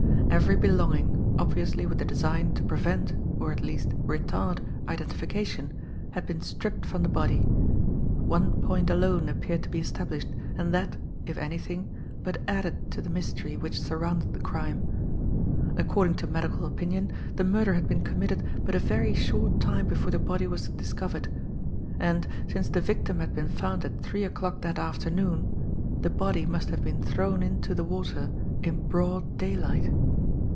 Every belonging, obviously with the design to prevent, or at least retard, identification, had been stripped from the body. One point alone appeared to be established, and that, if anything, but added to the mystery which surrounded the crime. According to medical opinion, the murder had been committed but a very short time before the body was discovered; and, since the victim had been found at three o'clock that afternoon, the body must have been thrown into the water in broad daylight.